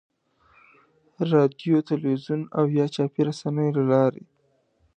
رادیو، تلویزیون او یا چاپي رسنیو له لارې.